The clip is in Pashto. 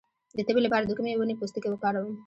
د تبې لپاره د کومې ونې پوستکی وکاروم؟